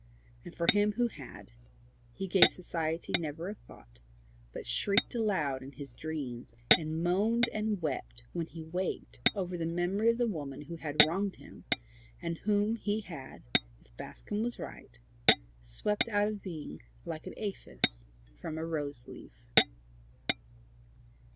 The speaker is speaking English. And for him who had, he gave society never a thought, but shrieked aloud in his dreams, and moaned and wept when he waked over the memory of the woman who had wronged him, and whom he had, if Bascombe was right, swept out of being like an aphis from a rose leaf.